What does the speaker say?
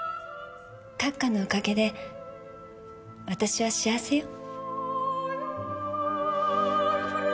閣下のおかげで私は幸せよ。